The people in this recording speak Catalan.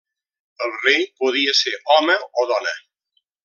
El rei podia ser home o dona.